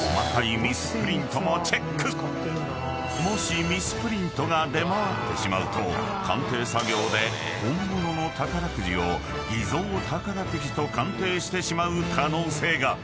［もしミスプリントが出回ってしまうと鑑定作業で本物の宝くじを偽造宝くじと鑑定してしまう可能性が］